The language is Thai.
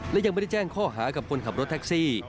และยังไม่ได้แจ้งข้อหากับคนขับรถแท็กซี่